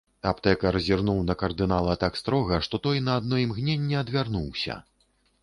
Аптэкар зірнуў на кардынала так строга, што той на адно імгненне адвярнуўся.